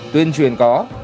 tuyên truyền có